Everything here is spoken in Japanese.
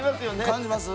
感じます！